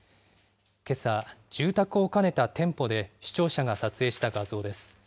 けさ、住宅を兼ねた店舗で視聴者が撮影した画像です。